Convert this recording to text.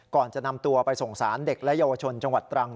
ก่อนจะนำตัวไปส่งสารเด็กและเยาวชนจังหวัดตรัง